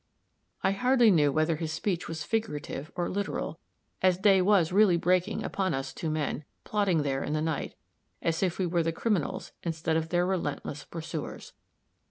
I hardly knew whether his speech was figurative or literal, as day was really breaking upon us two men, plotting there in the night, as if we were the criminals instead of their relentless pursuers.